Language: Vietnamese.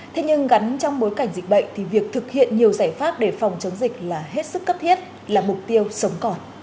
thế nhưng gắn trong bối cảnh dịch bệnh thì việc thực hiện nhiều giải pháp để phòng chống dịch là hết sức cấp thiết là mục tiêu sống còn